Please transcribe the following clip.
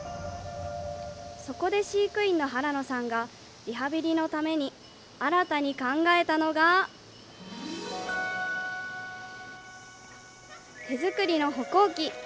そこで飼育員の原野さんがリハビリのために新たに考えたのが手作りの歩行器。